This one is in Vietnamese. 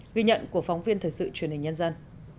ghi nhận của phóng viên thời sự truyền hình nhân dân